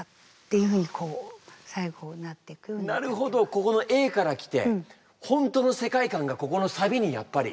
ここのＡから来て本当の世界観がここのサビにやっぱり。